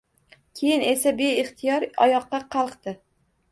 Keyin esa, beixtiyor oyoqqa qalqdi